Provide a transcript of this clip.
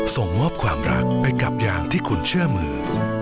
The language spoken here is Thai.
ส่งมอบความรักไปกับอย่างที่คุณเชื่อมือ